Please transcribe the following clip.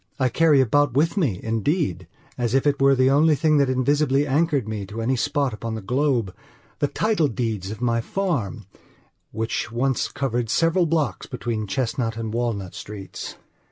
I carry about with me, indeedas if it were the only thing that invisibly anchored me to any spot upon the globethe title deeds of my farm, which once covered several blocks between Chestnut and Walnut Streets.